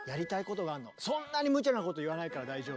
そんなにむちゃなこと言わないから大丈夫。